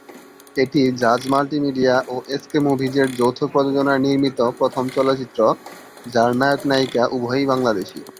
এটি জাজ মাল্টিমিডিয়া ও এসকে মুভিজ এর যৌথ প্রযোজনায় নির্মিত প্রথম চলচ্চিত্র যার নায়ক নায়িকা উভয়েই বাংলাদেশি।